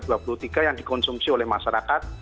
dan selama ini enoki ini masih dikonsumsi oleh masyarakat